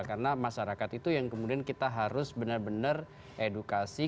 karena masyarakat itu yang kemudian kita harus benar benar edukasi